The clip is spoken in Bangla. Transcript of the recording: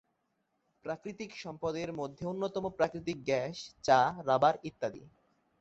প্রাকৃতিক সম্পদের মধ্যে অন্যতম প্রাকৃতিক গ্যাস, চা, রাবার ইত্যাদি।